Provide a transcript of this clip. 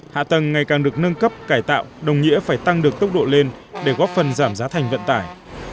hạ tầng ngày càng được nâng cấp cải tạo đồng nghĩa phải tăng được tốc độ lên để góp phần giảm giá thành vận tải